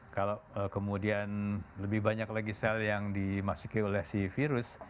kalau kemudian lebih banyak lagi sel yang dimasuki oleh si virus